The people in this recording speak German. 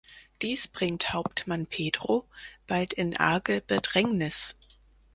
Dies bringt Hauptmann Pedro bald in arge Bedrängnis.